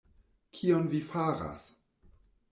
Kion vi faras?